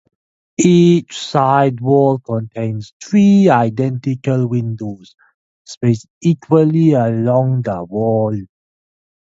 Each side wall contains three identical windows spaced equally along the wall.